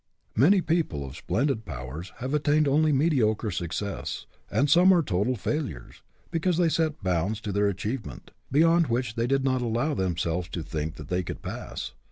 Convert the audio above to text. Many people of splendid powers have attained only mediocre success, and some are total failures, because they set bounds to their achievement, beyond which they did not allow themselves to think that they could pass.